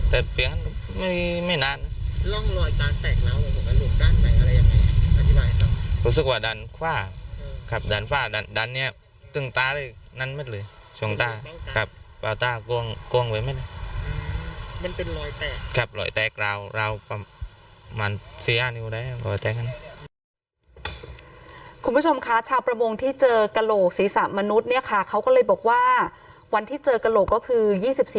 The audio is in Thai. หน่อยยังมีรูปร่านแต่งอะไรยังไงขอพริบายครับคุณผู้ชมคะชาวประวงที่เจอกระโหลศีรษะมนุษย์เนี่ยค่ะเขาก็เลยบอกว่าวันที่เจอกระโหลกก็คือ๒๔